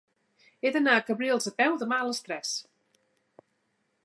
He d'anar a Cabrils a peu demà a les tres.